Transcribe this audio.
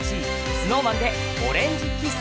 ＳｎｏｗＭａｎで「オレンジｋｉｓｓ」。